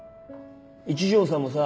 一条さんもさ